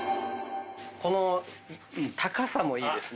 この高さもいいですね。